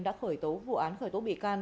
đã khởi tố vụ án khởi tố bị can